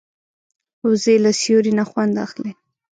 وزې له سیوري نه خوند اخلي